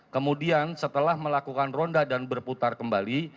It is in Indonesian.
kemudian setelah melakukan ronda dan berputar kembali